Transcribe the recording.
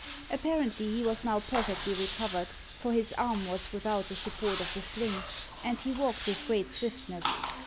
Apparently he was now perfectly recovered, for his arm was without the support of the sling, and he walked with great swiftness.